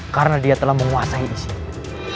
karena dia telah menguasai isi itu